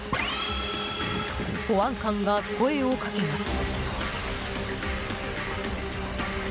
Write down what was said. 保安官が声をかけます。